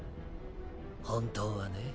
本当はね